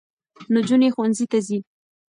نجونې ښوونځي ته ځي.